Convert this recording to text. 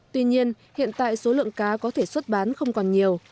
tuy nhiên hiện tại số lượng cá có thể xuất bán không còn nhiều